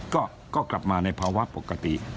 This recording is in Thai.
ก็กลับมาในภาวะปกติ